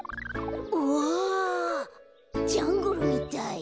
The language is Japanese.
おぉジャングルみたい。